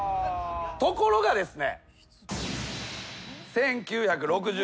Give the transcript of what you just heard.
ところがですね。